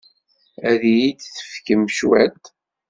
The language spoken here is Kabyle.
Ad iyi-d-tefkem cwiṭ?